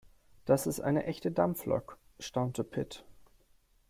Das ist eine echte Dampflok, staunte Pit.